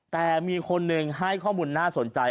แต่มีคนหนึ่งให้ข้อมูลน่าสนใจ